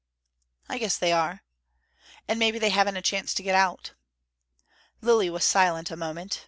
"I guess there are." "And maybe they haven't a chance to get out." Lilly was silent a moment.